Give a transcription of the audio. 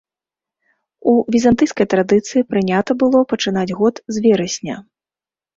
У візантыйскай традыцыі прынята было пачынаць год з верасня.